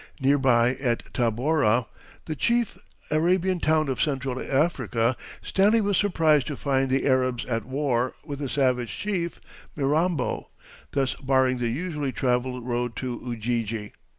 Near by, at Tabora, the chief Arabian town of central Africa, Stanley was surprised to find the Arabs at war with a savage chief, Mirambo, thus barring the usually travelled road to Ujiji.